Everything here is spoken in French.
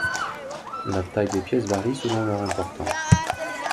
La taille des pièces varie selon leur importance.